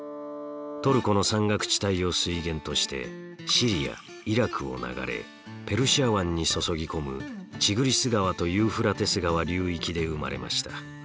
トルコの山岳地帯を水源としてシリアイラクを流れペルシャ湾に注ぎ込むティグリス川とユーフラテス川流域で生まれました。